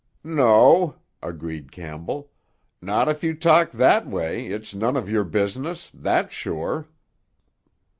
"No," agreed Campbell; "not if you talk that way, it's none of your business; that's sure."